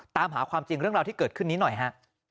ตามหาความจริงเรื่องราวที่เกิดขึ้นนี้หน่อยฮะ